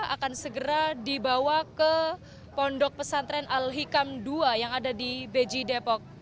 akan segera dibawa ke pondok pesantren al hikam dua yang ada di beji depok